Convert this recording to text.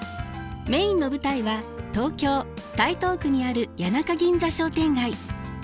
メインの舞台は東京・台東区にある谷中銀座商店街。